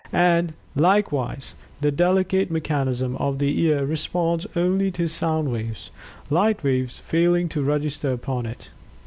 And, likewise, the delicate mechanism of the ear responds only to sound waves; light waves failing to register upon it.